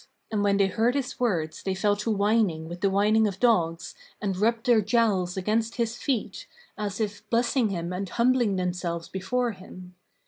And when they heard his words they fell to whining with the whining of dogs, and rubbed their jowls against his feet, as if blessing him and humbling themselves before him.